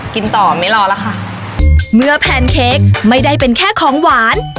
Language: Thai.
กินต่อไม่รอแล้วค่ะเมื่อแพนเค้กไม่ได้เป็นแค่ของหวาน